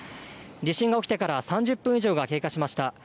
地震が起きてから３０分以上が経過しました。